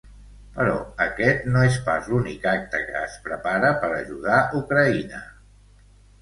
Però aquest no és pas l’únic acte que es prepara per ajudar Ucraïna.